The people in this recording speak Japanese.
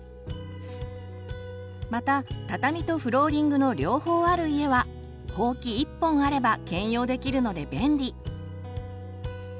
また畳とフローリングの両方ある家はほうき１本あれば兼用できるので便利。